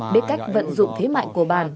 biết cách vận dụng thế mạnh của bản